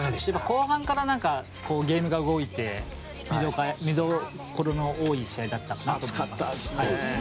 後半からゲームが動いて見どころの多い試合だったかなと思います。